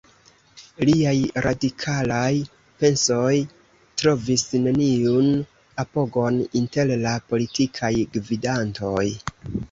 Liaj radikalaj pensoj trovis neniun apogon inter la politikaj gvidantoj.